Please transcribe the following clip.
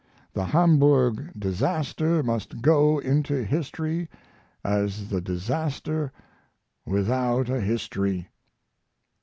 The Hamburg disaster must go into history as the disaster without a history.